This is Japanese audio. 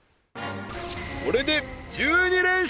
これで１２連勝